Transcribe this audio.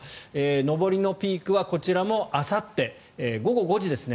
上りのピークはこちらもあさって午後５時ですね